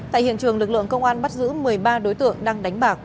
tại hiện trường lực lượng công an bắt giữ một mươi ba đối tượng đang đánh bạc